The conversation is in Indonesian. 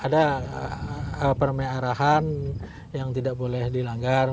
ada permairahan yang tidak boleh dilanggar